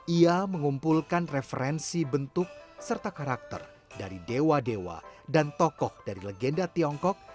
ia mengumpulkan referensi bentuk serta karakter dari dewa dewa dan tokoh dari legenda tiongkok